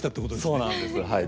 そうなんですはい。